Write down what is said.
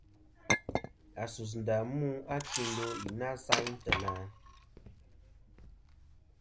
A sus ndà mu a kindo i na sayn teyna?